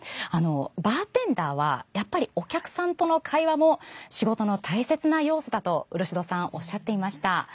バーテンダーは、やっぱりお客さんとの会話も仕事の大切な要素だと漆戸さん、おっしゃっていました。